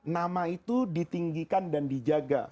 nama itu ditinggikan dan dijaga